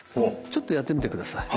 ちょっとやってみてください。